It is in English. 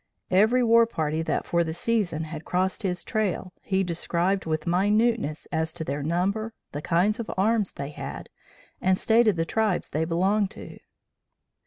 Every war party that for the season had crossed his trail, he described with minuteness as to their number, the kinds of arms they had, and stated the tribes they belonged to.